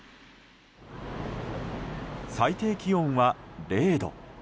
最低気温は０度。